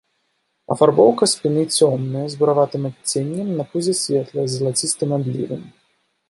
Афарбоўка спіны цёмная, з бураватым адценнем, на пузе светлая, з залацістым адлівам.